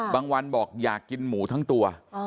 วันบอกอยากกินหมูทั้งตัว